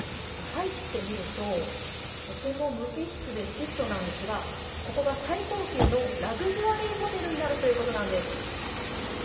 入ってみるととても無機質で質素なんですがここが最高級のラグジュアリーホテルになるということなんです。